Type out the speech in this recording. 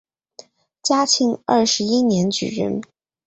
嘉庆二十一年举人。